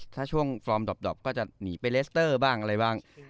ถ้าช่วงฟอร์มดอบก็จะหนีไปเลสเตอร์บ้างอะไรบ้าง